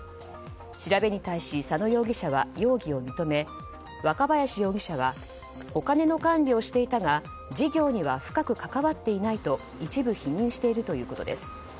調べに対し佐野容疑者は容疑を認め若林容疑者はお金の管理をしていたが事業には深く関わっていないと一部否認しているということです。